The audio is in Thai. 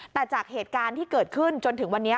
แต่จากเหตุการณ์ที่เกิดขึ้นจนถึงวันนี้